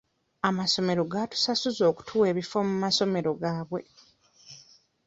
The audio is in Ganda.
Amasomero gatusasuza okutuwa ebifo mu masomero gaabwe.